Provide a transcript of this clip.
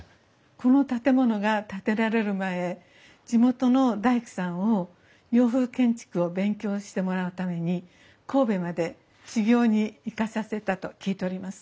この建物が建てられる前地元の大工さんを洋風建築を勉強してもらうために神戸まで修業に行かさせたと聞いております。